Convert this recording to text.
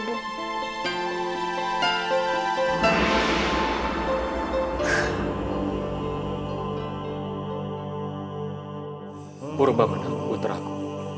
purba menang putraku